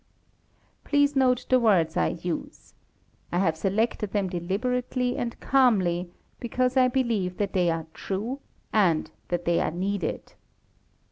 Please note the words I use. I have selected them deliberately and calmly, because I believe that they are true and that they are needed.